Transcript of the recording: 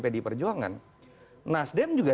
pdi perjuangan nasdem juga